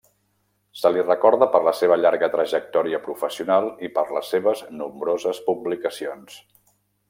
Se li recorda per la seva llarga trajectòria professional i per les seves nombroses publicacions.